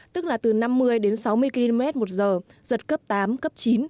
tức là từ năm mươi đến sáu mươi km một giờ giật cấp tám cấp chín